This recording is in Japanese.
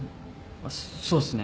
ああそうっすね。